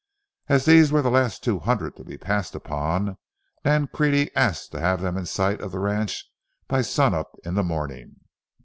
As these were the last two hundred to be passed upon, Nancrede asked to have them in sight of the ranch by sun up in the morning.